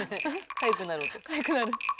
かゆくなる。